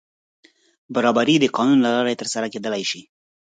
برابري د قانون له لارې تر سره کېدای شي.